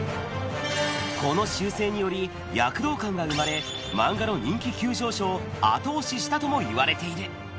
この修正により躍動感が生まれ、漫画の人気急上昇を後押ししたともいわれている。